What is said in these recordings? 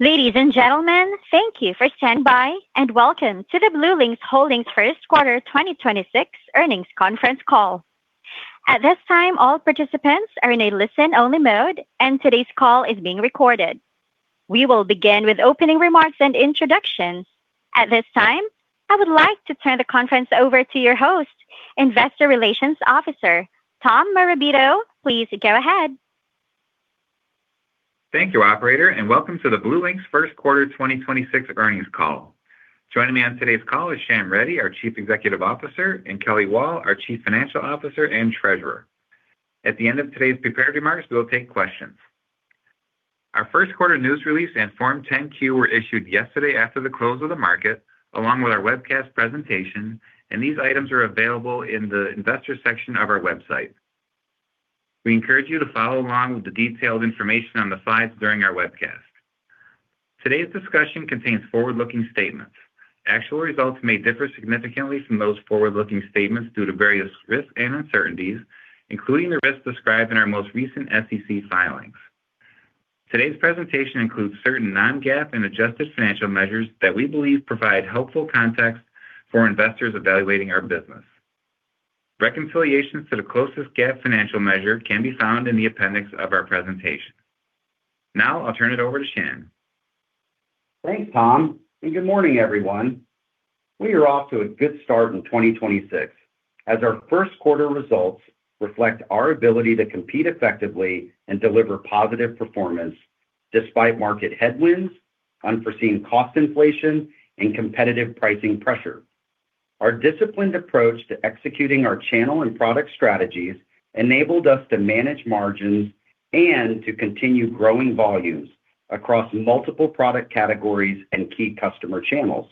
Ladies and gentlemen, thank you for standing by, and welcome to the BlueLinx Holdings First Quarter 2026 Earnings Conference Call. At this time, all participants are in a listen-only mode, and today's call is being recorded. We will begin with opening remarks and introductions. At this time, I would like to turn the conference over to your host, Investor Relations Officer, Tom Morabito. Please go ahead. Thank you, Operator, and welcome to the BlueLinx First Quarter 2026 Earnings Call. Joining me on today's call is Shyam Reddy, our Chief Executive Officer, and Kelly Wall, our Chief Financial Officer and Treasurer. At the end of today's prepared remarks, we will take questions. Our first quarter news release and Form 10-Q were issued yesterday after the close of the market, along with our webcast presentation, and these items are available in the Investors section of our website. We encourage you to follow along with the detailed information on the slides during our webcast. Today's discussion contains forward-looking statements. Actual results may differ significantly from those forward-looking statements due to various risks and uncertainties, including the risks described in our most recent SEC filings. Today's presentation includes certain non-GAAP and adjusted financial measures that we believe provide helpful context for investors evaluating our business. Reconciliations to the closest GAAP financial measure can be found in the appendix of our presentation. Now I'll turn it over to Shyam. Thanks, Tom. Good morning, everyone. We are off to a good start in 2026 as our first quarter results reflect our ability to compete effectively and deliver positive performance despite market headwinds, unforeseen cost inflation, and competitive pricing pressure. Our disciplined approach to executing our channel and product strategies enabled us to manage margins and to continue growing volumes across multiple product categories and key customer channels.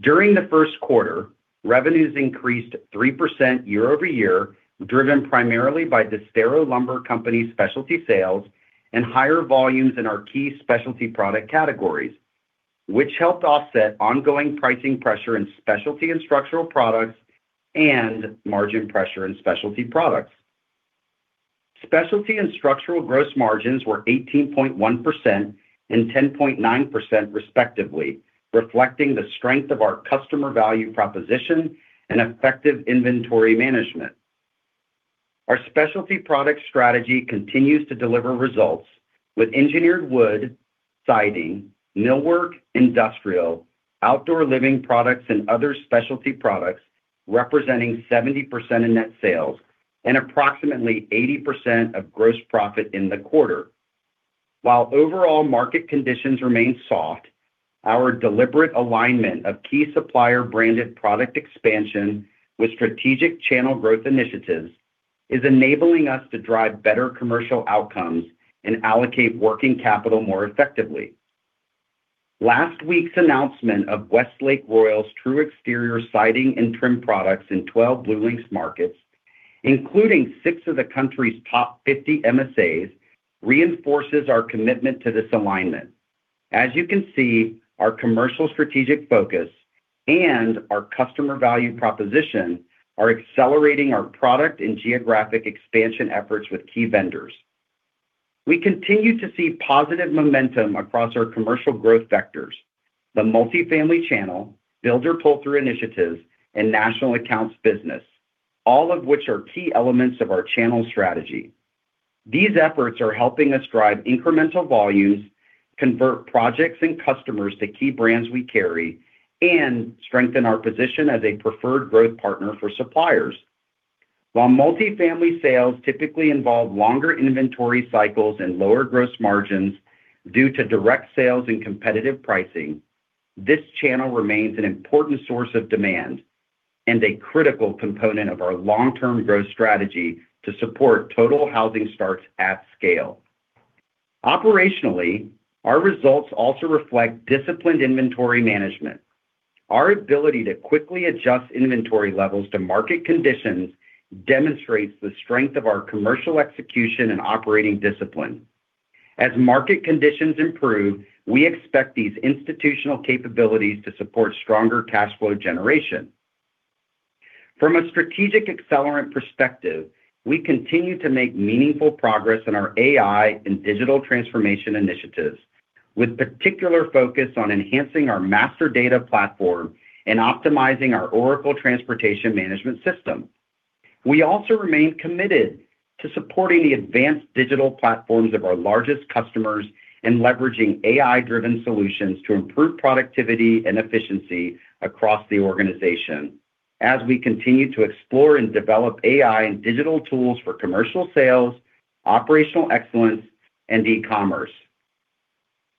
During the first quarter, revenues increased 3% year-over-year, driven primarily by Disdero Lumber Company specialty sales and higher volumes in our key specialty product categories, which helped offset ongoing pricing pressure in specialty and structural products and margin pressure in specialty products. Specialty and structural gross margins were 18.1% and 10.9% respectively, reflecting the strength of our customer value proposition and effective inventory management. Our specialty product strategy continues to deliver results with engineered wood, siding, millwork, industrial, outdoor living products, and other specialty products representing 70% of net sales and approximately 80% of gross profit in the quarter. While overall market conditions remain soft, our deliberate alignment of key supplier-branded product expansion with strategic channel growth initiatives is enabling us to drive better commercial outcomes and allocate working capital more effectively. Last week's announcement of Westlake Royal's TruExterior siding and trim products in 12 BlueLinx markets, including six of the country's top 50 MSAs, reinforces our commitment to this alignment. As you can see, our commercial strategic focus and our customer value proposition are accelerating our product and geographic expansion efforts with key vendors. We continue to see positive momentum across our commercial growth vectors, the multifamily channel, builder pull-through initiatives, and national accounts business, all of which are key elements of our channel strategy. These efforts are helping us drive incremental volumes, convert projects and customers to key brands we carry, and strengthen our position as a preferred growth partner for suppliers. While multifamily sales typically involve longer inventory cycles and lower gross margins due to direct sales and competitive pricing, this channel remains an important source of demand and a critical component of our long-term growth strategy to support total housing starts at scale. Operationally, our results also reflect disciplined inventory management. Our ability to quickly adjust inventory levels to market conditions demonstrates the strength of our commercial execution and operating discipline. As market conditions improve, we expect these institutional capabilities to support stronger cash flow generation. From a strategic accelerant perspective, we continue to make meaningful progress in our AI and digital transformation initiatives, with particular focus on enhancing our master data platform and optimizing our Oracle Transportation Management system. We also remain committed to supporting the advanced digital platforms of our largest customers and leveraging AI-driven solutions to improve productivity and efficiency across the organization as we continue to explore and develop AI and digital tools for commercial sales, operational excellence, and e-commerce.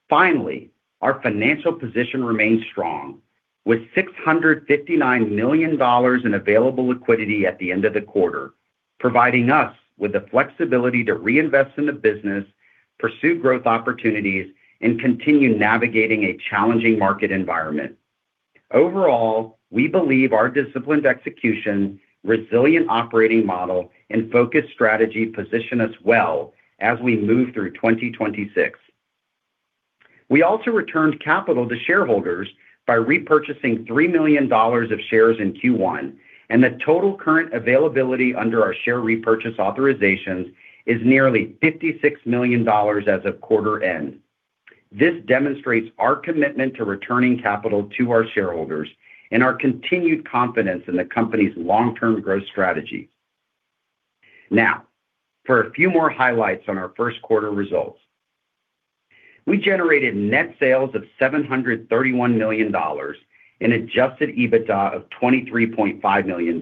Finally, our financial position remains strong, with $659 million in available liquidity at the end of the quarter, providing us with the flexibility to reinvest in the business, pursue growth opportunities, and continue navigating a challenging market environment. Overall, we believe our disciplined execution, resilient operating model, and focused strategy position us well as we move through 2026. We also returned capital to shareholders by repurchasing $3 million of shares in Q1, and the total current availability under our share repurchase authorizations is nearly $56 million as of quarter end. This demonstrates our commitment to returning capital to our shareholders and our continued confidence in the company's long-term growth strategy. Now, for a few more highlights on our first quarter results. We generated net sales of $731 million and adjusted EBITDA of $23.5 million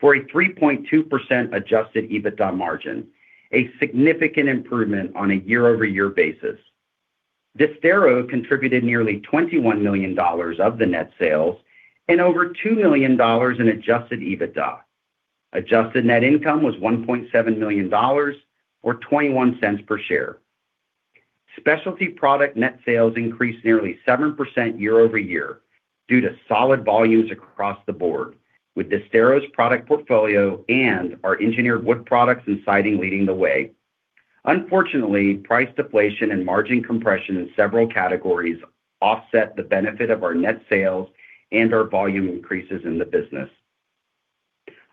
for a 3.2% adjusted EBITDA margin, a significant improvement on a year-over-year basis. Disdero contributed nearly $21 million of the net sales and over $2 million in adjusted EBITDA. Adjusted net income was $1.7 million or $0.21 per share. Specialty product net sales increased nearly 7% year-over-year due to solid volumes across the board, with Disdero's product portfolio and our engineered wood products and siding leading the way. Unfortunately, price deflation and margin compression in several categories offset the benefit of our net sales and our volume increases in the business.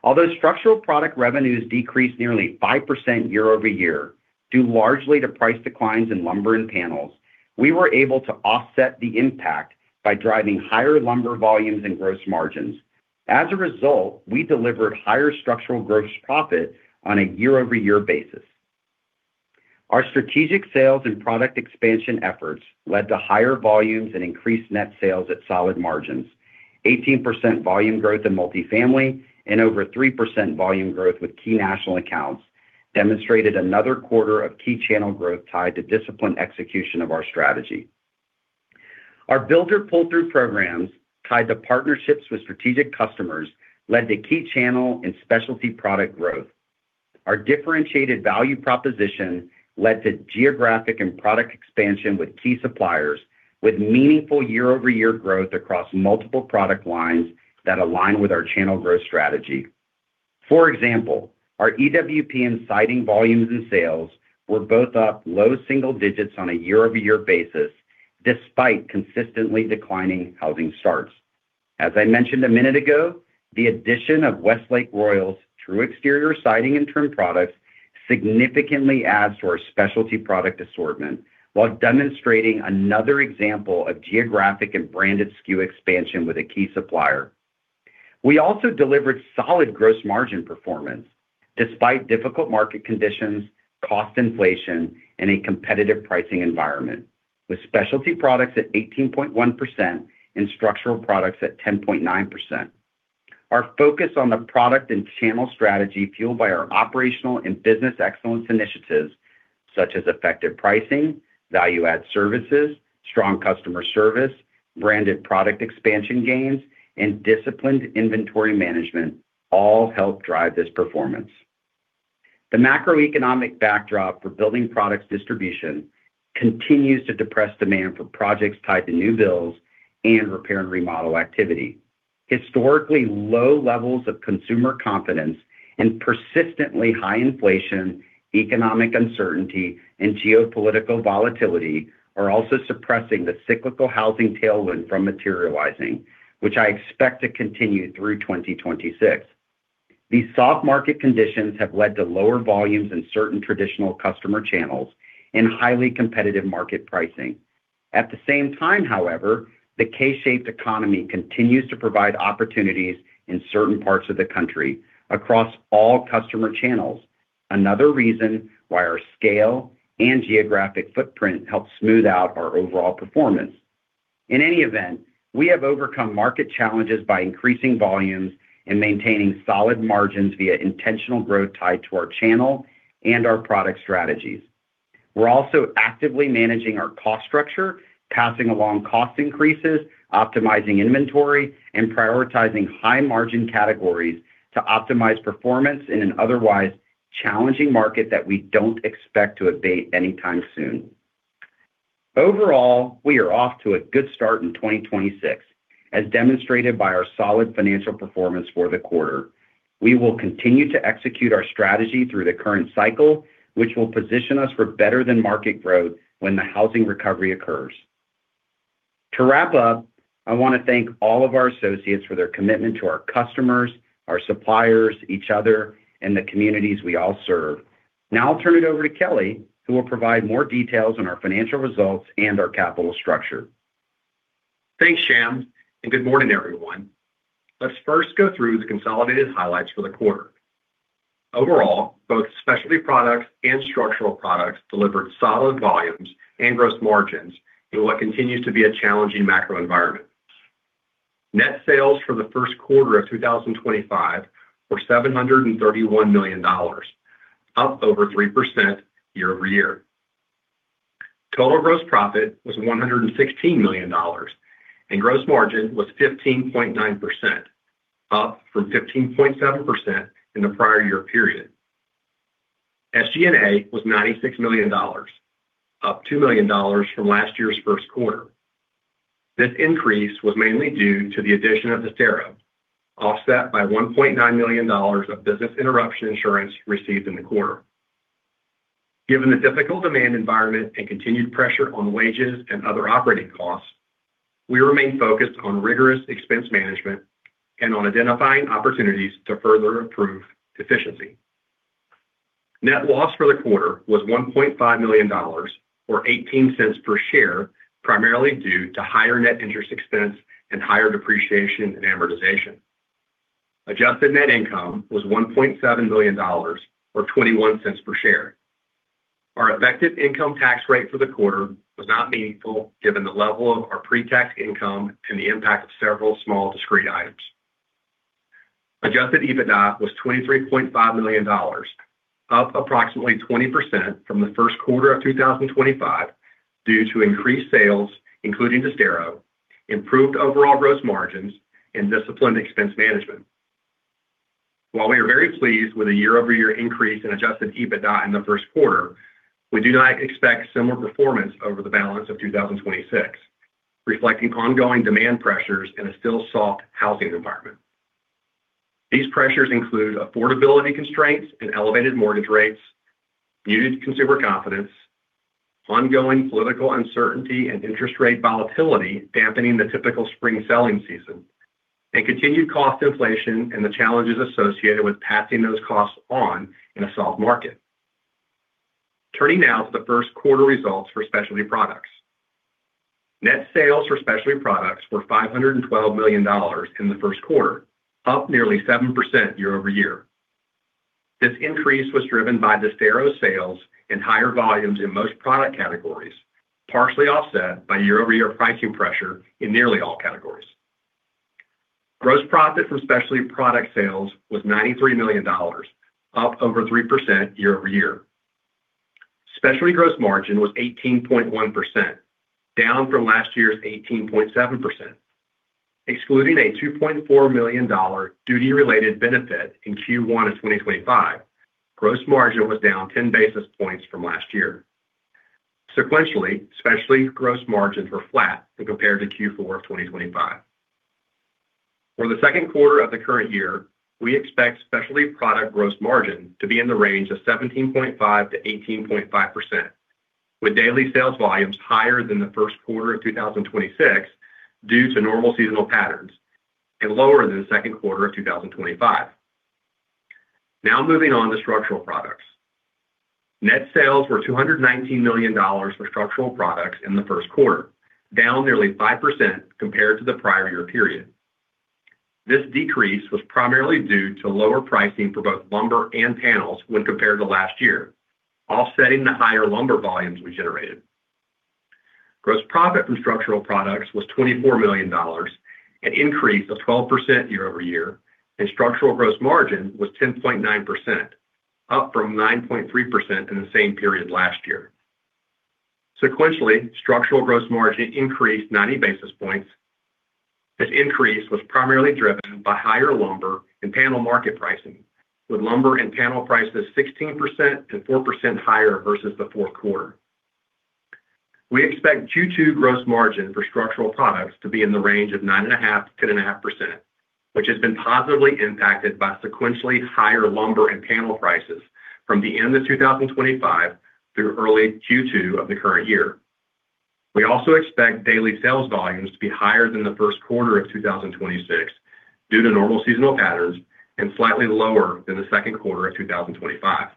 Although structural product revenues decreased nearly 5% year-over-year, due largely to price declines in lumber and panels, we were able to offset the impact by driving higher lumber volumes and gross margins. As a result, we delivered higher structural gross profit on a year-over-year basis. Our strategic sales and product expansion efforts led to higher volumes and increased net sales at solid margins. 18% volume growth in multifamily and over 3% volume growth with key national accounts demonstrated another quarter of key channel growth tied to disciplined execution of our strategy. Our builder pull-through programs, tied to partnerships with strategic customers, led to key channel and specialty product growth. Our differentiated value proposition led to geographic and product expansion with key suppliers, with meaningful year-over-year growth across multiple product lines that align with our channel growth strategy. For example, our EWP and siding volumes and sales were both up low single digits on a year-over-year basis, despite consistently declining housing starts. As I mentioned a minute ago, the addition of Westlake Royal's TruExterior siding and trim products significantly adds to our specialty product assortment, while demonstrating another example of geographic and branded SKU expansion with a key supplier. We also delivered solid gross margin performance, despite difficult market conditions, cost inflation, and a competitive pricing environment, with specialty products at 18.1% and structural products at 10.9%. Our focus on the product and channel strategy fueled by our operational and business excellence initiatives, such as effective pricing, value-added services, strong customer service, branded product expansion gains, and disciplined inventory management, all helped drive this performance. The macroeconomic backdrop for building products distribution continues to depress demand for projects tied to new builds and repair and remodel activity. Historically low levels of consumer confidence and persistently high inflation, economic uncertainty, and geopolitical volatility are also suppressing the cyclical housing tailwind from materializing, which I expect to continue through 2026. These soft market conditions have led to lower volumes in certain traditional customer channels and highly competitive market pricing. At the same time, however, the K-shaped economy continues to provide opportunities in certain parts of the country across all customer channels, another reason why our scale and geographic footprint help smooth out our overall performance. In any event, we have overcome market challenges by increasing volumes and maintaining solid margins via intentional growth tied to our channel and our product strategies. We're also actively managing our cost structure, passing along cost increases, optimizing inventory, and prioritizing high-margin categories to optimize performance in an otherwise challenging market that we don't expect to abate anytime soon. Overall, we are off to a good start in 2026, as demonstrated by our solid financial performance for the quarter. We will continue to execute our strategy through the current cycle, which will position us for better-than-market growth when the housing recovery occurs. To wrap up, I want to thank all of our associates for their commitment to our customers, our suppliers, each other, and the communities we all serve. Now I'll turn it over to Kelly, who will provide more details on our financial results and our capital structure. Thanks, Shyam, good morning, everyone. Let's first go through the consolidated highlights for the quarter. Overall, both specialty products and structural products delivered solid volumes and gross margins in what continues to be a challenging macro environment. Net sales for the first quarter of 2025 were $731 million, up over 3% year-over-year. Total gross profit was $116 million, and gross margin was 15.9%, up from 15.7% in the prior year period. SG&A was $96 million, up $2 million from last year's first quarter. This increase was mainly due to the addition of Disdero, offset by $1.9 million of business interruption insurance received in the quarter. Given the difficult demand environment and continued pressure on wages and other operating costs, we remain focused on rigorous expense management and on identifying opportunities to further improve efficiency. Net loss for the quarter was $1.5 million or $0.18 per share, primarily due to higher net interest expense and higher depreciation and amortization. Adjusted net income was $1.7 million or $0.21 per share. Our effective income tax rate for the quarter was not meaningful given the level of our pre-tax income and the impact of several small discrete items. Adjusted EBITDA was $23.5 million, up approximately 20% from the first quarter of 2025 due to increased sales, including the Disdero, improved overall gross margins and disciplined expense management. While we are very pleased with a year-over-year increase in adjusted EBITDA in the first quarter, we do not expect similar performance over the balance of 2026, reflecting ongoing demand pressures in a still soft housing environment. These pressures include affordability constraints and elevated mortgage rates, muted consumer confidence, ongoing political uncertainty and interest rate volatility dampening the typical spring selling season, and continued cost inflation and the challenges associated with passing those costs on in a soft market. Turning now to the first quarter results for specialty products. Net sales for specialty products were $512 million in the first quarter, up nearly 7% year-over-year. This increase was driven by the Disdero sales in higher volumes in most product categories, partially offset by year-over-year pricing pressure in nearly all categories. Gross profit from specialty product sales was $93 million, up over 3% year-over-year. Specialty gross margin was 18.1%, down from last year's 18.7%. Excluding a $2.4 million duty-related benefit in Q1 of 2025, gross margin was down 10 basis points from last year. Sequentially, specialty gross margins were flat when compared to Q4 of 2025. For the second quarter of the current year, we expect specialty product gross margin to be in the range of 17.5%-18.5%, with daily sales volumes higher than the first quarter of 2026 due to normal seasonal patterns and lower than the second quarter of 2025. Moving on to structural products. Net sales were $219 million for structural products in the first quarter, down nearly 5% compared to the prior year period. This decrease was primarily due to lower pricing for both lumber and panels when compared to last year, offsetting the higher lumber volumes we generated. Gross profit from structural products was $24 million, an increase of 12% year-over-year, and structural gross margin was 10.9%, up from 9.3% in the same period last year. Sequentially, structural gross margin increased 90 basis points. This increase was primarily driven by higher lumber and panel market pricing, with lumber and panel prices 16% and 4% higher versus the fourth quarter. We expect Q2 gross margin for structural products to be in the range of 9.5%-10.5%, which has been positively impacted by sequentially higher lumber and panel prices from the end of 2025 through early Q2 of the current year. We also expect daily sales volumes to be higher than the first quarter of 2026 due to normal seasonal patterns and slightly lower than the second quarter of 2025.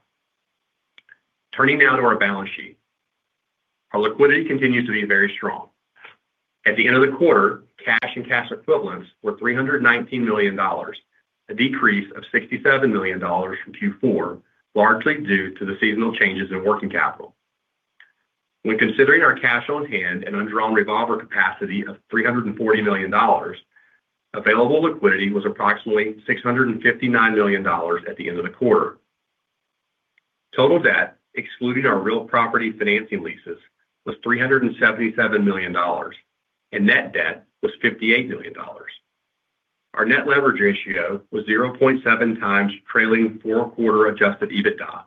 Turning now to our balance sheet. Our liquidity continues to be very strong. At the end of the quarter, cash and cash equivalents were $319 million, a decrease of $67 million from Q4, largely due to the seasonal changes in working capital. When considering our cash on hand and undrawn revolver capacity of $340 million, available liquidity was approximately $659 million at the end of the quarter. Total debt, excluding our real property financing leases, was $377 million, and net debt was $58 million. Our net leverage ratio was 0.7x trailing four-quarter adjusted EBITDA,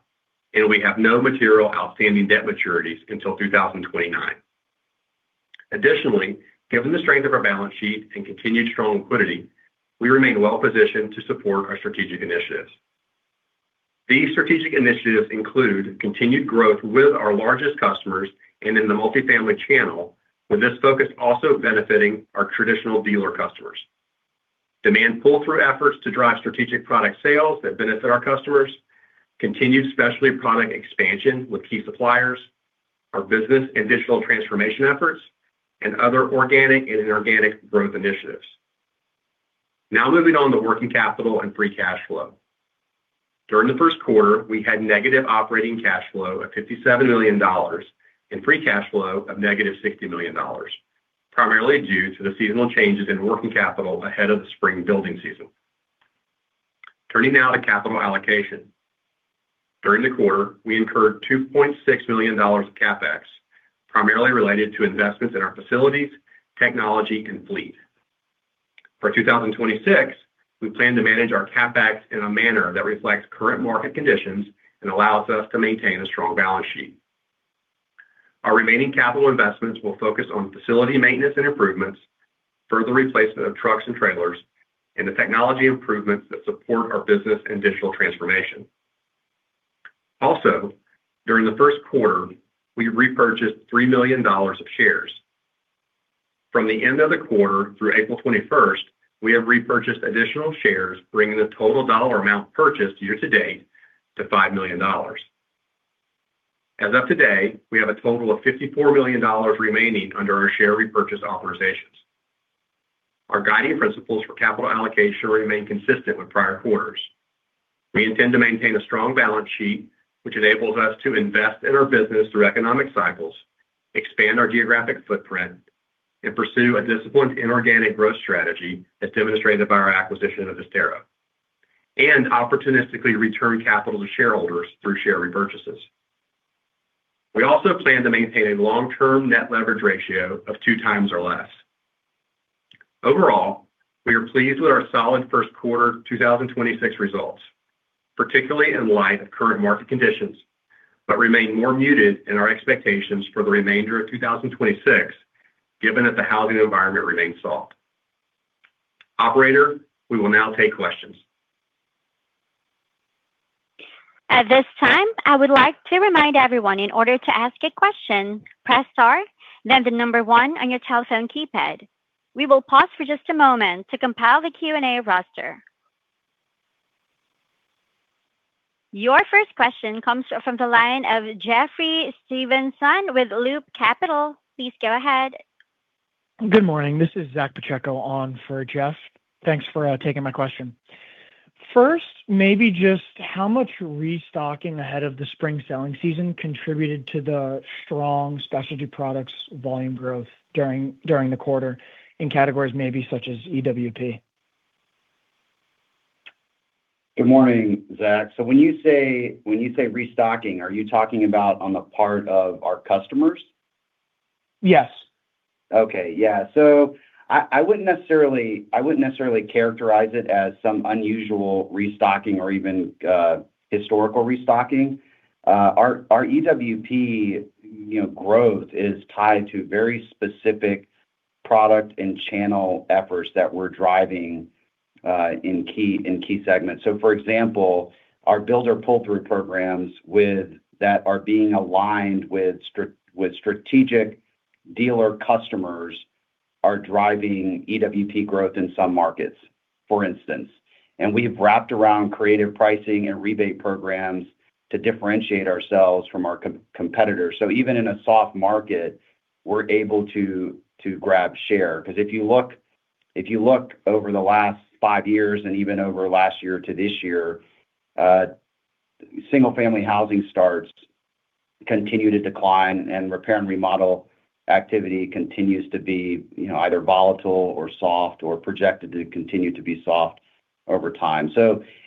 and we have no material outstanding debt maturities until 2029. Additionally, given the strength of our balance sheet and continued strong liquidity, we remain well-positioned to support our strategic initiatives. These strategic initiatives include continued growth with our largest customers and in the multifamily channel, with this focus also benefiting our traditional dealer customers. Demand pull-through efforts to drive strategic product sales that benefit our customers, continued specialty product expansion with key suppliers, our business and digital transformation efforts, and other organic and inorganic growth initiatives. Moving on to working capital and free cash flow. During the first quarter, we had negative operating cash flow of $57 million and free cash flow of negative $60 million, primarily due to the seasonal changes in working capital ahead of the spring building season. Turning to capital allocation. During the quarter, we incurred $2.6 million of CapEx, primarily related to investments in our facilities, technology, and fleet. For 2026, we plan to manage our CapEx in a manner that reflects current market conditions and allows us to maintain a strong balance sheet. Our remaining capital investments will focus on facility maintenance and improvements, further replacement of trucks and trailers, and the technology improvements that support our business and digital transformation. Also, during the first quarter, we repurchased $3 million of shares. From the end of the quarter through April 21st, we have repurchased additional shares, bringing the total dollar amount purchased year-to-date to $5 million. As of today, we have a total of $54 million remaining under our share repurchase authorizations. Our guiding principles for capital allocation remain consistent with prior quarters. We intend to maintain a strong balance sheet, which enables us to invest in our business through economic cycles, expand our geographic footprint, and pursue a disciplined inorganic growth strategy as demonstrated by our acquisition of Disdero, and opportunistically return capital to shareholders through share repurchases. We also plan to maintain a long-term net leverage ratio of 2x or less. Overall, we are pleased with our solid first quarter 2026 results, particularly in light of current market conditions, but remain more muted in our expectations for the remainder of 2026, given that the housing environment remains soft. Operator, we will now take questions. At this time, I would like to remind everyone in order to ask a question, press star, then the number one on your telephone keypad. We will pause for just a moment to compile the Q&A roster. Your first question comes from the line of Jeffrey Stevenson with Loop Capital. Please go ahead. Good morning. This is Zack Pacheco on for Jeff. Thanks for taking my question. First, maybe just how much restocking ahead of the spring selling season contributed to the strong specialty products volume growth during the quarter in categories maybe such as EWP? Good morning, Zack. When you say restocking, are you talking about on the part of our customers? Yes. Okay. Yeah. I wouldn't necessarily characterize it as some unusual restocking or even historical restocking. Our EWP, you know, growth is tied to very specific product and channel efforts that we're driving in key segments. For example, our builder pull-through programs that are being aligned with strategic dealer customers are driving EWP growth in some markets, for instance. We've wrapped around creative pricing and rebate programs to differentiate ourselves from our competitors. Even in a soft market, we're able to grab share. 'Cause if you look over the last five years and even over last year to this year, single-family housing starts continue to decline and repair and remodel activity continues to be, you know, either volatile or soft or projected to continue to be soft over time.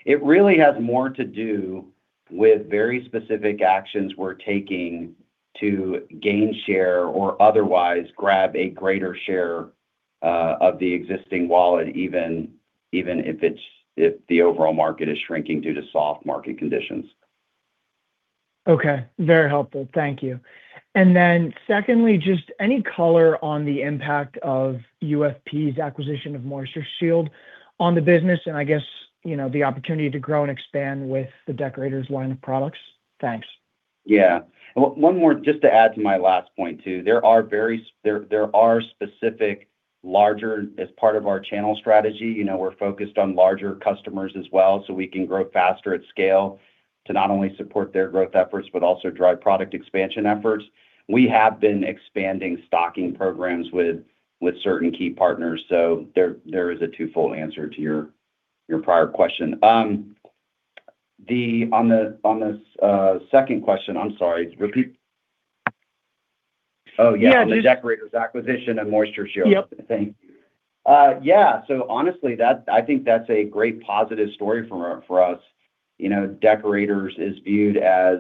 It really has more to do with very specific actions we're taking to gain share or otherwise grab a greater share of the existing wallet even if the overall market is shrinking due to soft market conditions. Okay. Very helpful. Thank you. Secondly, just any color on the impact of UFP's acquisition of MoistureShield on the business and I guess, you know, the opportunity to grow and expand with the Deckorators line of products? Thanks. Yeah. One more just to add to my last point too. There are very specific larger, as part of our channel strategy, you know, we're focused on larger customers as well so we can grow faster at scale to not only support their growth efforts, but also drive product expansion efforts. We have been expanding stocking programs with certain key partners. There is a twofold answer to your prior question. On the second question, I'm sorry. Repeat. Oh, yeah. Yeah. The Deckorators, the acquisition of MoistureShield. Yep. Thank you. Yeah, honestly, I think that's a great positive story for us. You know, Deckorators is viewed as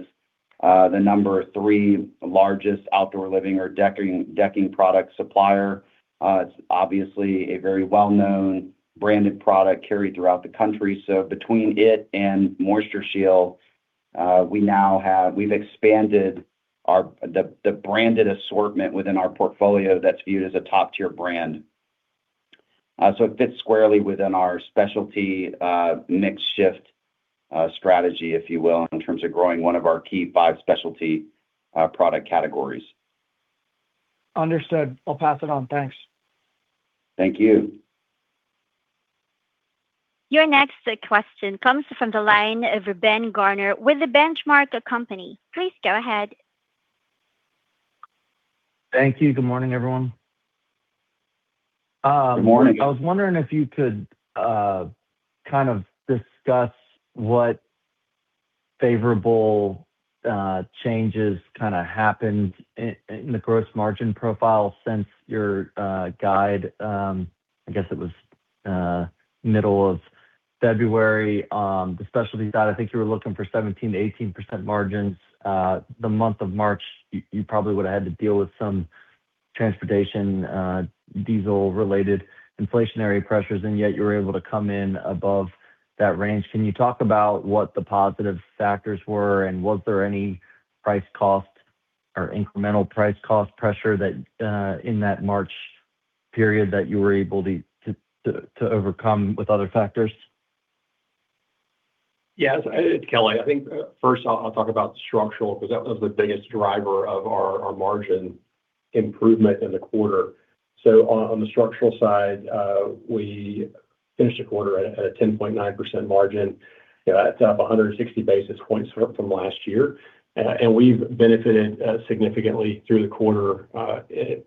the number three largest outdoor living or decking product supplier. It's obviously a very well-known branded product carried throughout the country. Between it and MoistureShield, we now have- we've expanded the branded assortment within our portfolio that's viewed as a top-tier brand. It fits squarely within our specialty mix shift strategy, if you will, in terms of growing one of our key five specialty product categories. Understood. I'll pass it on. Thanks. Thank you. Your next question comes from the line of Reuben Garner with The Benchmark Company. Please go ahead. Thank you. Good morning, everyone. Good morning. I was wondering if you could kind of discuss what favorable changes kinda happened in the gross margin profile since your guide, I guess it was middle of February. The specialty guide, I think you were looking for 17%-18% margins. The month of March, you probably would've had to deal with some transportation, diesel related inflationary pressures, and yet you were able to come in above that range. Can you talk about what the positive factors were, and was there any price cost or incremental price cost pressure that in that March period that you were able to overcome with other factors? Yes, it's Kelly. I think, first I'll talk about structural because that was the biggest driver of our margin improvement in the quarter. On the structural side, we finished the quarter at a 10.9% margin. You know, that's up 160 basis points from last year. We've benefited significantly through the quarter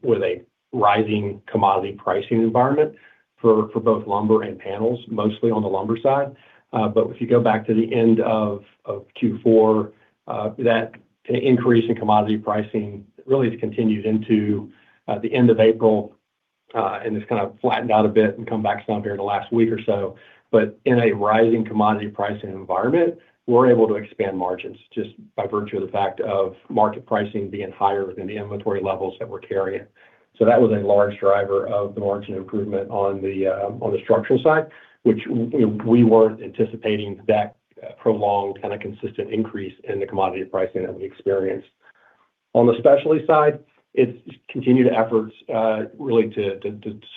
with a rising commodity pricing environment for both lumber and panels, mostly on the lumber side. But if you go back to the end of Q4, that increase in commodity pricing really has continued into, the end of April, it's kind of flattened out a bit and come back some during the last week or so. But in a rising commodity pricing environment, we're able to expand margins just by virtue of the fact of market pricing being higher than the inventory levels that we're carrying. So that was a large driver of the margin improvement on the structural side, which, you know, we weren't anticipating that prolonged kind of consistent increase in the commodity pricing that we experienced. On the specialty side, it's continued efforts really to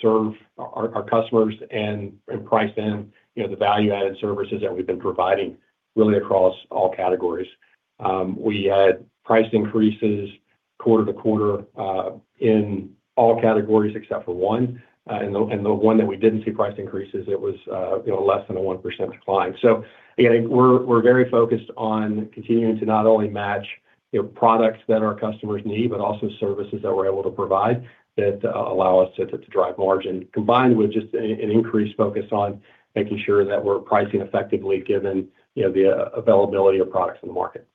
serve our customers and price in, you know, the value-added services that we've been providing really across all categories. We had price increases quarter-to-quarter in all categories except for one. And the one that we didn't see price increases, it was, you know, less than a 1% decline. Again, we're very focused on continuing to not only match, you know, products that our customers need, but also services that we're able to provide that allow us to drive margin, combined with just an increased focus on making sure that we're pricing effectively given, you know, the availability of products in the market.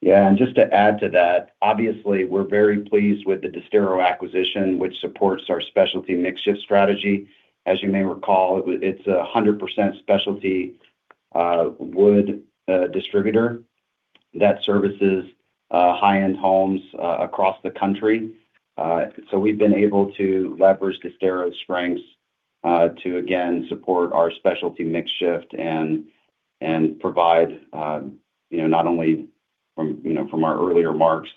Yeah. Just to add to that, obviously, we're very pleased with the Disdero acquisition, which supports our specialty mix shift strategy. As you may recall, it's a 100% specialty wood distributor that services high-end homes across the country. We've been able to leverage Disdero's strengths to again, support our specialty mix shift and provide, you know, not only from, you know, from our earlier marks,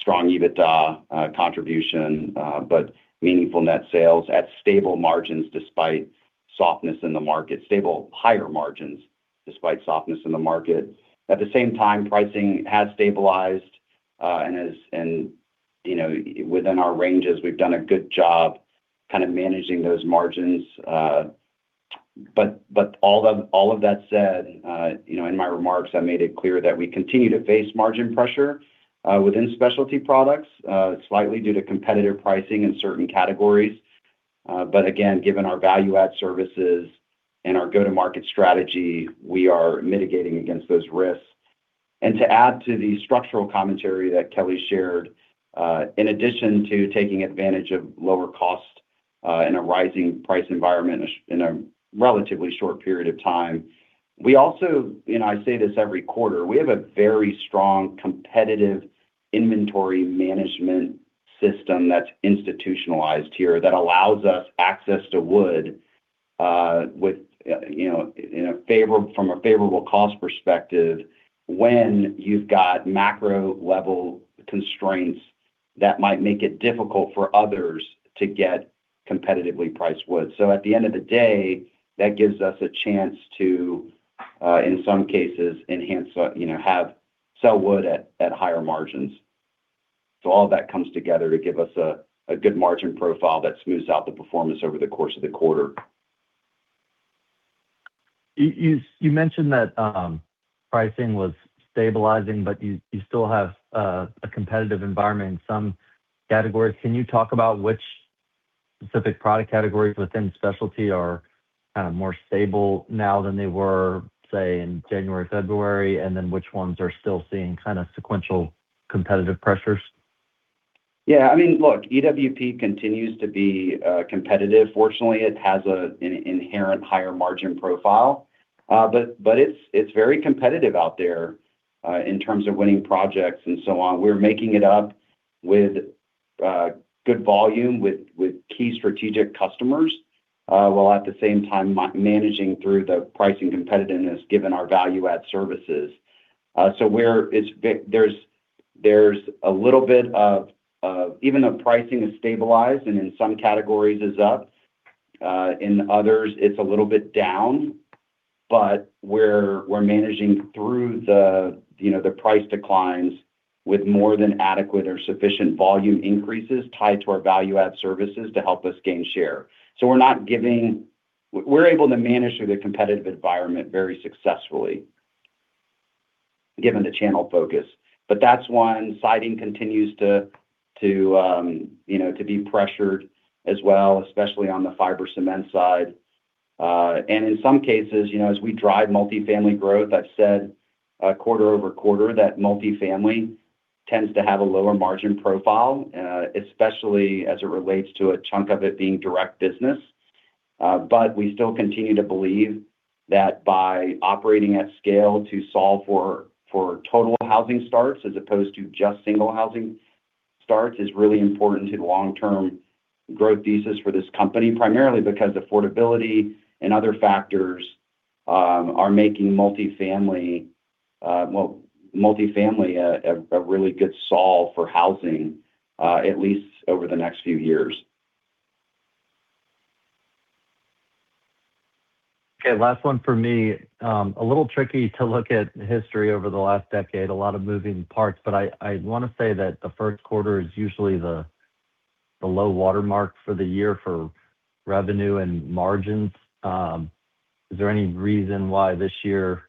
strong EBITDA contribution, but meaningful net sales at stable higher margins despite softness in the market. At the same time, pricing has stabilized, and, you know, within our ranges, we've done a good job kind of managing those margins. But all of that said, you know, in my remarks, I made it clear that we continue to face margin pressure, within specialty products, slightly due to competitive pricing in certain categories. But again, given our value-added services and our go-to-market strategy, we are mitigating against those risks. And to add to the structural commentary that Kelly shared, in addition to taking advantage of lower cost, in a rising price environment in a relatively short period of time, we also, and I say this every quarter, we have a very strong competitive inventory management system that's institutionalized here that allows us access to wood, with, you know, from a favorable cost perspective when you've got macro-level constraints that might make it difficult for others to get competitively priced wood. So at the end of the day, that gives us a chance to, in some cases, enhance, you know, sell wood at higher margins. So all that comes together to give us a good margin profile that smooths out the performance over the course of the quarter. You mentioned that pricing was stabilizing, but you still have a competitive environment in some categories. Can you talk about which specific product categories within specialty are kind of more stable now than they were, say, in January, February, and then which ones are still seeing kind of sequential competitive pressures? I mean, look, EWP continues to be competitive. Fortunately, it has an inherent higher margin profile. But it's very competitive out there in terms of winning projects and so on. We're making it up with good volume with key strategic customers while at the same time managing through the pricing competitiveness given our value-added services. There's a little bit of even the pricing is stabilized, and in some categories is up. In others it's a little bit down. We're managing through the, you know, the price declines with more than adequate or sufficient volume increases tied to our value-added services to help us gain share. We're able to manage through the competitive environment very successfully given the channel focus. That's one. Siding continues to, you know, to be pressured as well, especially on the fiber cement side. In some cases, you know, as we drive multifamily growth, I've said, quarter-over-quarter that multifamily tends to have a lower margin profile, especially as it relates to a chunk of it being direct business. But we still continue to believe that by operating at scale to solve for total housing starts as opposed to just single housing starts is really important to the long-term growth thesis for this company, primarily because affordability and other factors are making multifamily, well, multifamily a really good solve for housing, at least over the next few years. Okay, last one for me. A little tricky to look at history over the last decade, a lot of moving parts. I wanna say that the first quarter is usually the low water mark for the year for revenue and margins. Is there any reason why this year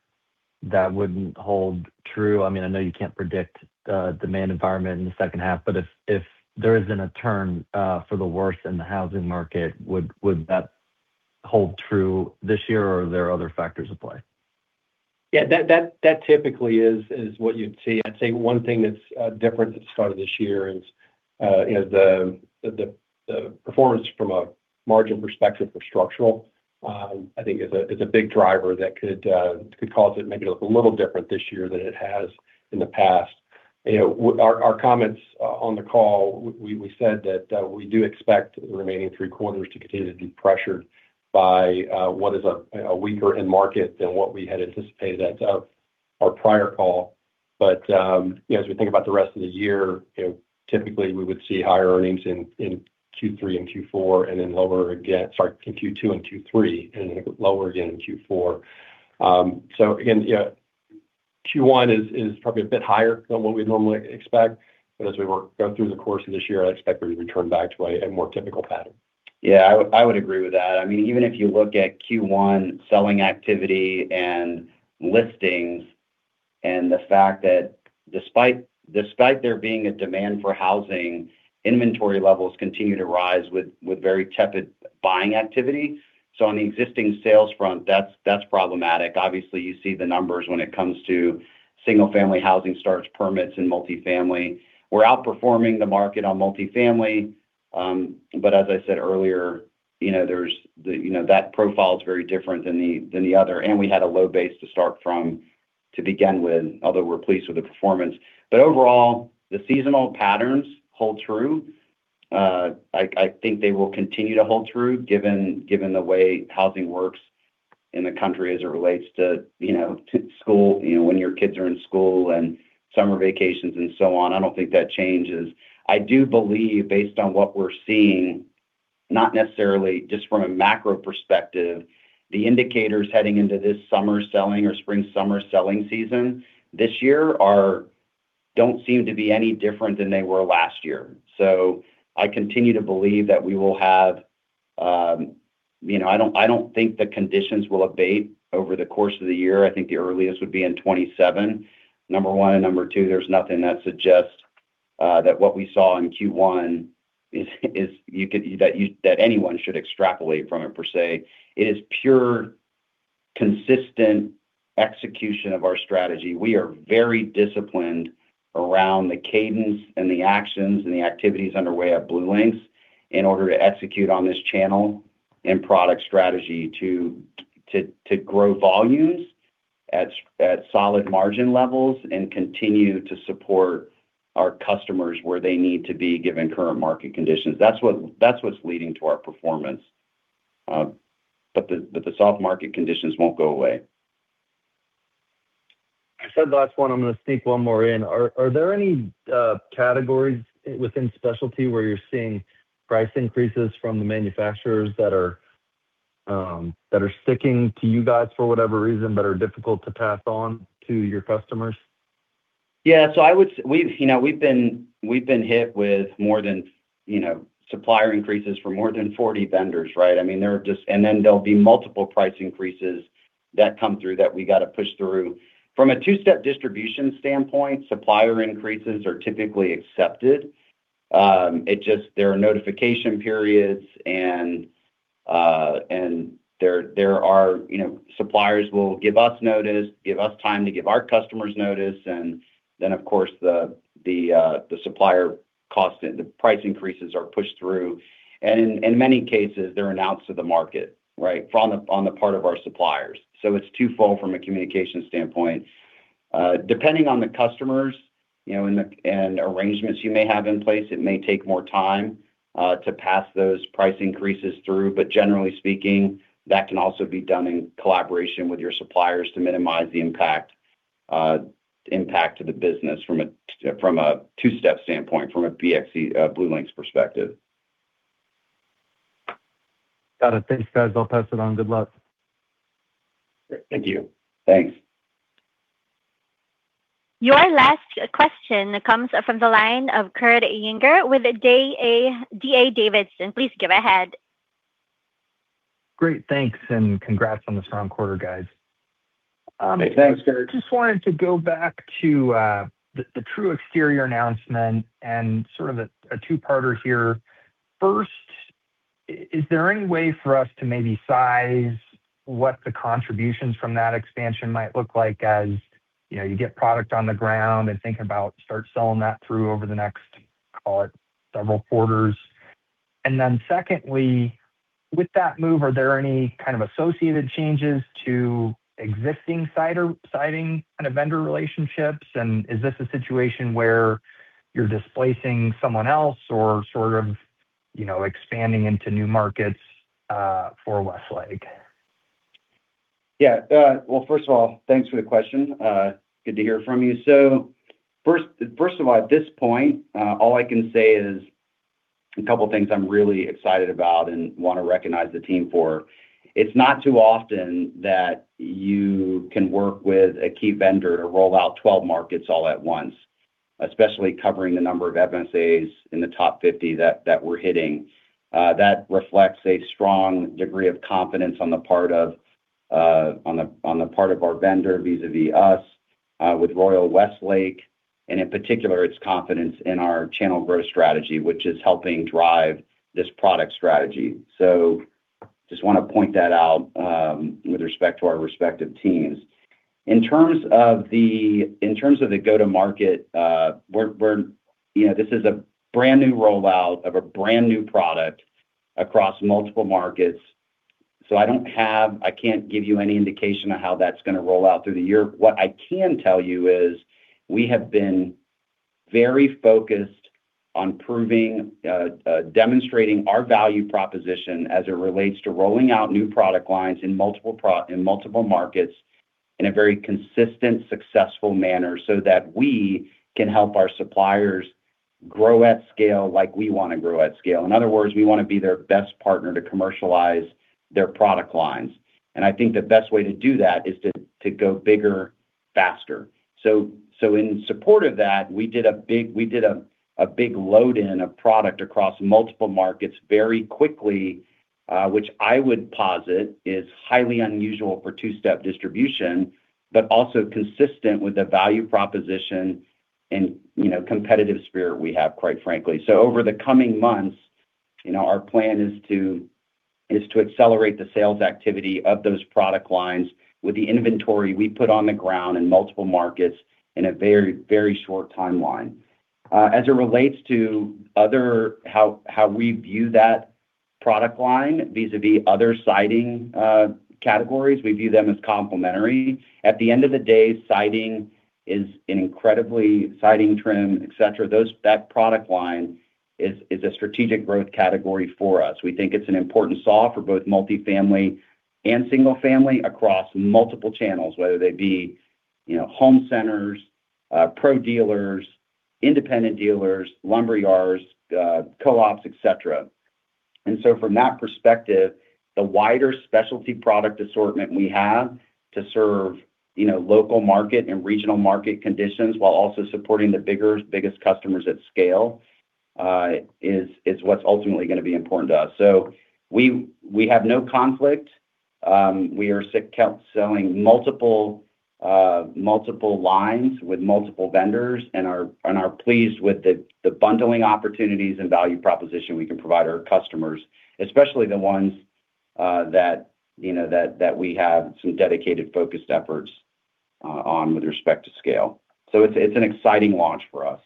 that wouldn't hold true? I mean, I know you can't predict the demand environment in the second half, but if there isn't a turn for the worse in the housing market, would that hold true this year, or are there other factors at play? Yeah, that typically is what you'd see. I'd say one thing that's different at the start of this year is the performance from a margin perspective for structural, I think is a big driver that could cause it maybe to look a little different this year than it has in the past. You know, our comments on the call, we said that we do expect the remaining three quarters to continue to be pressured by what is a weaker end market than what we had anticipated at our prior call. You know, as we think about the rest of the year, you know, typically we would see higher earnings in Q2 and Q3, and then lower again in Q4. Again, yeah, Q1 is probably a bit higher than what we'd normally expect. As we go through the course of this year, I expect we return back to a more typical pattern. Yeah. I would agree with that. I mean, even if you look at Q1 selling activity and listings and the fact that despite there being a demand for housing, inventory levels continue to rise with very tepid buying activity. On the existing sales front, that's problematic. Obviously, you see the numbers when it comes to single-family housing starts, permits, and multi-family. We're outperforming the market on multi-family. But as I said earlier, you know, there's the, you know, that profile is very different than the other, and we had a low base to start from to begin with. Although we're pleased with the performance. But overall, the seasonal patterns hold true. I think they will continue to hold true given the way housing works in the country as it relates to, you know, to school, you know, when your kids are in school and summer vacations and so on. I don't think that changes. I do believe based on what we're seeing, not necessarily just from a macro perspective, the indicators heading into this summer selling or spring summer selling season this year don't seem to be any different than they were last year. I continue to believe that we will have, You know, I don't think the conditions will abate over the course of the year. I think the earliest would be in 2027, number one. Number two, there's nothing that suggests that what we saw in Q1 is that anyone should extrapolate from it per se. It is pure consistent execution of our strategy. We are very disciplined around the cadence and the actions and the activities underway at BlueLinx in order to execute on this channel and product strategy to grow volumes at solid margin levels and continue to support our customers where they need to be given current market conditions. That's what's leading to our performance. The soft market conditions won't go away. I said the last one, I'm gonna sneak one more in. Are there any categories within specialty where you're seeing price increases from the manufacturers that are that are sticking to you guys for whatever reason, but are difficult to pass on to your customers? Yeah. I would say we've been hit with more than supplier increases for more than 40 vendors, right? There are just. And there'll be multiple price increases that come through that we got to push through. From a two-step distribution standpoint, supplier increases are typically accepted. It just, there are notification periods and there are, you know, suppliers will give us notice, give us time to give our customers notice. Of course the supplier cost, the price increases are pushed through. In many cases, they're announced to the market, right? On the part of our suppliers. It's twofold from a communication standpoint. Depending on the customers, you know, and arrangements you may have in place, it may take more time to pass those price increases through. But generally speaking, that can also be done in collaboration with your suppliers to minimize the impact to the business from a two-step standpoint, from a BXC, BlueLinx perspective. Got it. Thanks, guys. I'll pass it on. Good luck. Great. Thank you. Thanks. Your last question comes from the line of Kurt Yinger with D.A. Davidson. Please go ahead. Great. Thanks and congrats on the strong quarter, guys. Thanks, Kurt. Just wanted to go back to the TruExterior announcement and sort of a two-parter here. First, is there any way for us to maybe size what the contributions from that expansion might look like as, you know, you get product on the ground and think about start selling that through over the next, call it several quarters? Secondly, with that move, are there any kind of associated changes to existing siding kind of vendor relationships? Is this a situation where you're displacing someone else or sort of, you know, expanding into new markets for Westlake? First of all, thanks for the question. Good to hear from you. First of all, at this point, all I can say is a couple of things I'm really excited about and wanna recognize the team for. It's not too often that you can work with a key vendor to roll out 12 markets all at once, especially covering the number of MSAs in the top 50 that we're hitting. That reflects a strong degree of confidence on the part of our vendor vis-à-vis us, with Westlake Royal, and in particular, its confidence in our channel growth strategy, which is helping drive this product strategy. Just wanna point that out with respect to our respective teams. In terms of the go-to-market, you know, this is a brand new rollout of a brand new product across multiple markets, so I can't give you any indication of how that's gonna roll out through the year. What I can tell you is we have been very focused on proving, demonstrating our value proposition as it relates to rolling out new product lines in multiple markets in a very consistent, successful manner so that we can help our suppliers grow at scale like we wanna grow at scale. In other words, we wanna be their best partner to commercialize their product lines. I think the best way to do that is to go bigger, faster. In support of that, we did a big load in of product across multiple markets very quickly, which I would posit is highly unusual for two-step distribution, but also consistent with the value proposition and, you know, competitive spirit we have, quite frankly. So over the coming months, you know, our plan is to accelerate the sales activity of those product lines with the inventory we put on the ground in multiple markets in a very, very short timeline. As it relates to other how we view that product line vis-à-vis other siding categories, we view them as complementary. At the end of the day, siding trim, et cetera, that product line is a strategic growth category for us. We think it's an important solve for both multi-family and single-family across multiple channels, whether they be, you know, home centers, pro dealers, independent dealers, lumber yards, co-ops, et cetera. From that perspective, the wider specialty product assortment we have to serve, you know, local market and regional market conditions while also supporting the bigger, biggest customers at scale, is what's ultimately gonna be important to us. We have no conflict. We are selling multiple lines with multiple vendors and are pleased with the bundling opportunities and value proposition we can provide our customers, especially the ones, that, you know, that we have some dedicated, focused efforts, on with respect to scale. It's an exciting launch for us.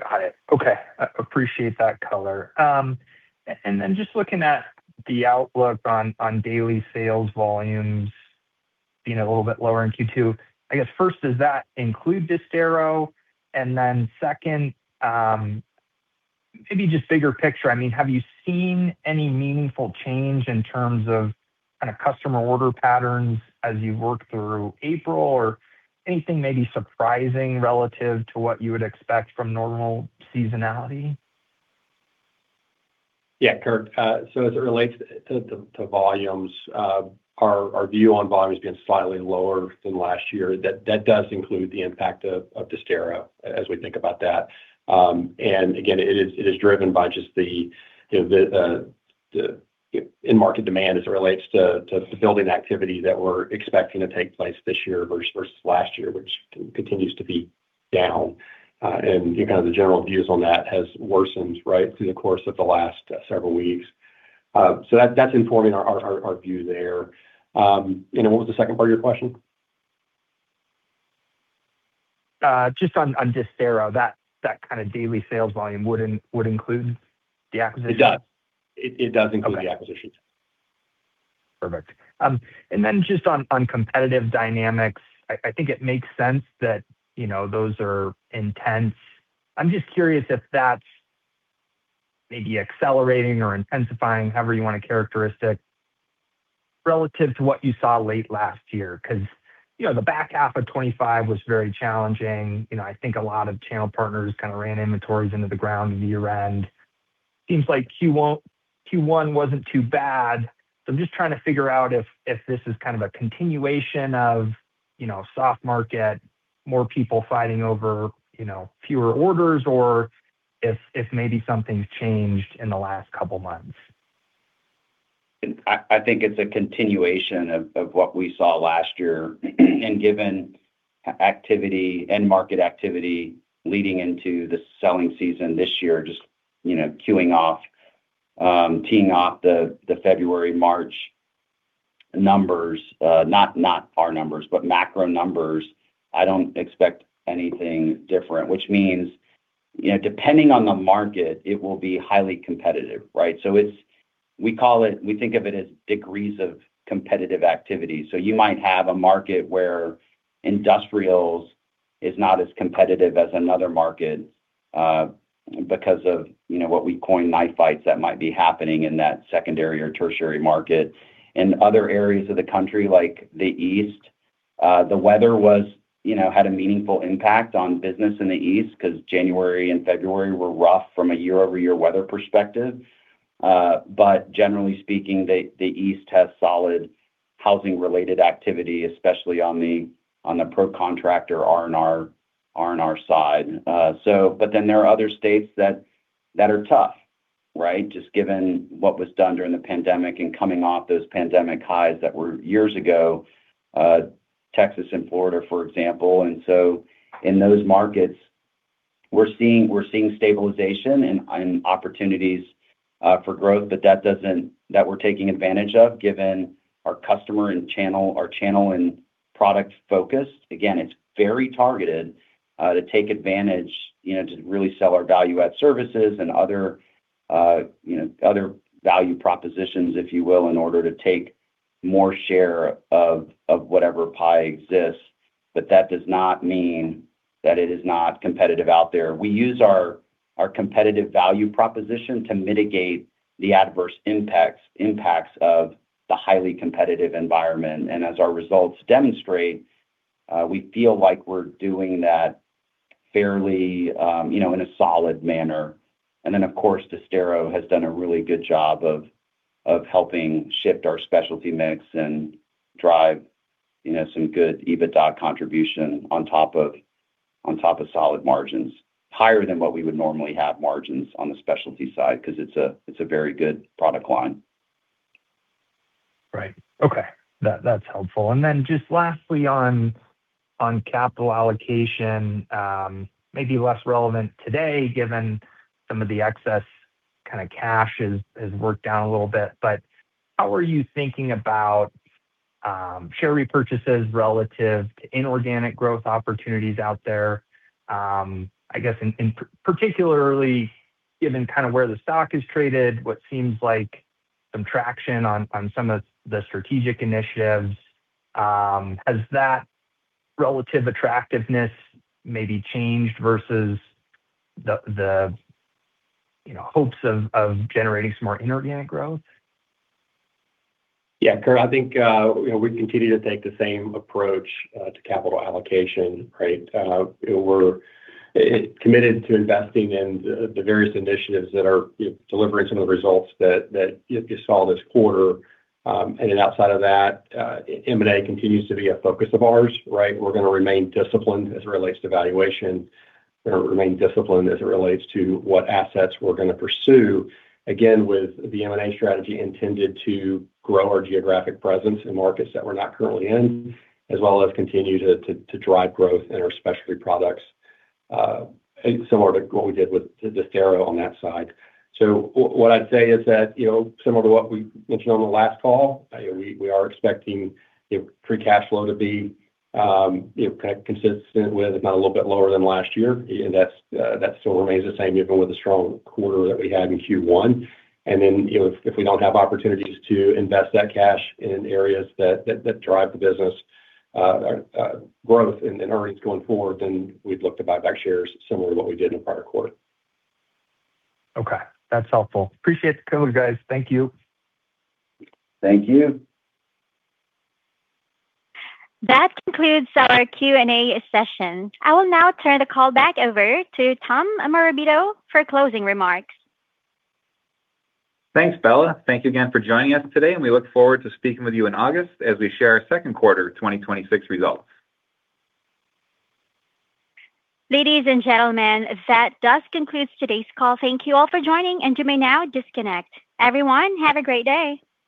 Got it. Okay. Appreciate that color. And then just looking at the outlook on daily sales volume, you know, a little bit lower in Q2, I guess first, does that include Disdero? Second, maybe just bigger picture. I mean, have you seen any meaningful change in terms of kinda customer order patterns as you work through April? Or anything maybe surprising relative to what you would expect from normal seasonality? Yeah, Kurt. As it relates to volumes. Our view on volume has been slightly lower than last year. That does include the impact of Disdero as we think about that. Again, it is driven by just the, you know, the in-market demand as it relates to fulfilling activity that we're expecting to take place this year versus last year, which continues to be down. You know, the general views on that has worsened, right, through the course of the last several weeks. That's informing our view there. You know, what was the second part of your question? Just on Disdero. That kind of daily sales volume would include the acquisition? It does. Okay. It does include the acquisition. Perfect. Then just on competitive dynamics. I think it makes sense that, you know, those are intense. I'm just curious if that's maybe accelerating or intensifying, however you wanna characterize it, relative to what you saw late last year, 'cause, you know, the back half of 2025 was very challenging. You know, I think a lot of channel partners kinda ran inventories into the ground at year-end. Seems like Q1 wasn't too bad. I'm just trying to figure out if this is kind of a continuation of, you know, soft market, more people fighting over, you know, fewer orders, or if maybe something's changed in the last couple months. I think it's a continuation of what we saw last year. Given activity, end-market activity leading into the selling season this year, just, you know, queuing off, teeing off the February, March numbers, not our numbers, but macro numbers, I don't expect anything different. Which means, you know, depending on the market, it will be highly competitive, right? We call it, we think of it as degrees of competitive activity. You might have a market where industrial is not as competitive as another market, because of, you know, what we coin knife fights that might be happening in that secondary or tertiary market. In other areas of the country like the East, the weather was, you know, had a meaningful impact on business in the East because January and February were rough from a year-over-year weather perspective. Generally speaking, the East has solid housing related activity, especially on the pro contractor R&R side. But then there are other states that are tough, right? Just given what was done during the pandemic and coming off those pandemic highs that were years ago, Texas and Florida, for example. So in those markets, we're seeing stabilization and opportunities for growth, but that we're taking advantage of given our customer and channel and product focus. Again, it's very targeted to take advantage, you know, to really sell our value-added services and other, you know, other value propositions, if you will, in order to take more share of whatever pie exists. That does not mean that it is not competitive out there. We use our competitive value proposition to mitigate the adverse impacts of the highly competitive environment. As our results demonstrate, we feel like we're doing that fairly, you know, in a solid manner. Of course, Disdero has done a really good job of helping shift our specialty mix and drive, you know, some good EBITDA contribution on top of solid margins, higher than what we would normally have margins on the specialty side because it's a very good product line. Right. Okay. That's helpful. Then just lastly on capital allocation, maybe less relevant today given some of the excess kind of cash has worked down a little bit. How are you thinking about share repurchases relative to inorganic growth opportunities out there? I guess particularly given kind of where the stock is traded, what seems like some traction on some of the strategic initiatives, has that relative attractiveness maybe changed versus the, you know, hopes of generating some more inorganic growth? Yeah, Kurt, I think, you know, we continue to take the same approach to capital allocation, right? We're committed to investing in the various initiatives that are, you know, delivering some of the results that you saw this quarter. And then outside of that, M&A continues to be a focus of ours, right? We're gonna remain disciplined as it relates to valuation. We're gonna remain disciplined as it relates to what assets we're gonna pursue, again, with the M&A strategy intended to grow our geographic presence in markets that we're not currently in, as well as continue to drive growth in our specialty products, similar to what we did with Disdero on that side. What I'd say is that, you know, similar to what we mentioned on the last call, you know, we are expecting, you know, free cash flow to be, you know, kind of consistent with, if not a little bit lower than last year. That's that still remains the same, even with the strong quarter that we had in Q1. You know, if we don't have opportunities to invest that cash in areas that drive the business growth and earnings going forward, then we'd look to buy back shares similar to what we did in the prior quarter. Okay. That's helpful. Appreciate the color, guys. Thank you. Thank you. That concludes our Q&A session. I will now turn the call back over to Tom Morabito for closing remarks. Thanks, Bella. Thank you again for joining us today, and we look forward to speaking with you in August as we share our second quarter 2026 results. Ladies and gentlemen, that does conclude today's call. Thank you all for joining, and you may now disconnect. Everyone, have a great day.